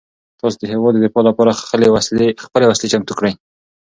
تاسو د هیواد د دفاع لپاره خپلې وسلې چمتو کړئ.